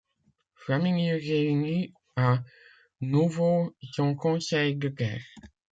Flaminius réunit à nouveau son conseil de guerre.